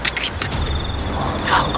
aduh aduh aduh